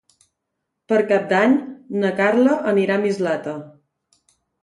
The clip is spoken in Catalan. Per Cap d'Any na Carla anirà a Mislata.